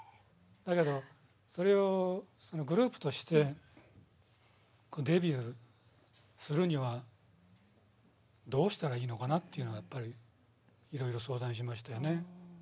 だけどそれをグループとしてデビューするにはどうしたらいいのかなっていうのはやっぱりいろいろ相談しましたよね。